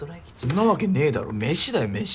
んなわけねぇだろ飯だよ飯。